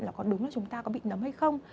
là có đúng là chúng ta có bị nấm hay không